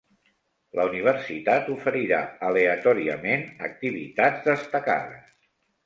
La Universitat oferirà aleatòriament activitats destacades.